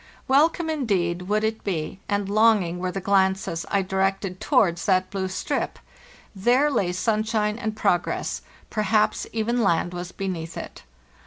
Welcome, indeed, would it be, and longing were the glances I directed towards that blue strip—there lay sunshine and_ progress; per haps even land was beneath it.